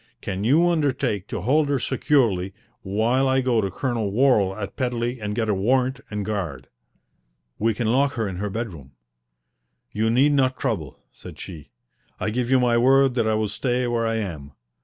Can you undertake to hold her securely while I go to Colonel Worral at Pedley and get a warrant and a guard?" "We can lock her in her bedroom." "You need not trouble," said she. "I give you my word that I will stay where I am.